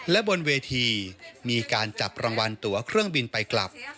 และบนเวทีมีการจับรางวัลตัวเครื่องบินไปกลับ